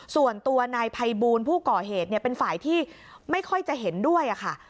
ส่วนตัวนายภัยบูลผู้ก่อเหตุเป็นฝ่ายที่ไม่ค่อยจะเห็นด้วยค่ะ